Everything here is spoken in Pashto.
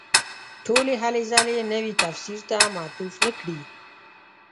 ټولې هلې ځلې نوي تفسیر ته معطوف نه کړي.